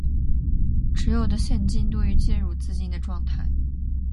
持有的现金多于借入资金的状态